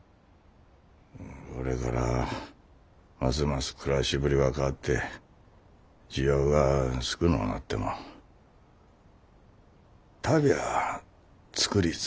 これからますます暮らしぶりが変わって需要が少のうなっても足袋ゃあ作り続けてくれ。